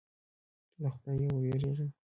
له خدایه وېرېږه.